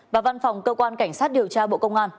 và văn phòng cơ quan cảnh sát điều tra bộ công an